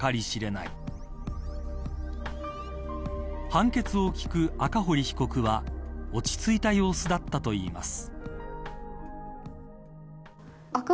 判決を聞く赤堀被告は落ち着いた様子だったといいます。